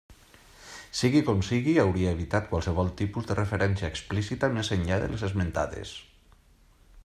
Sigui com sigui, hauria evitat qualsevol tipus de referència explícita més enllà de les esmentades.